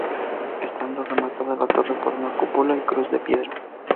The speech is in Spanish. Estando rematada la torre por una cúpula y cruz de piedra.